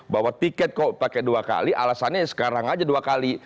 bawa tiket kok pakai dua kali alasannya sekarang aja dua kali